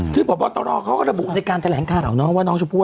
ซึ่งพอบอกตัวรอเขาก็ทย์ระบุในการแสนแหล่งคาเหล่าน้องว่าน้องทรวจตัวรอ